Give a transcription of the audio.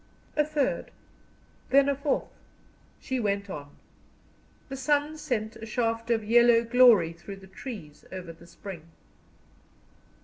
A third then a fourth she went on; the sun sent a shaft of yellow glory through the trees over the spring.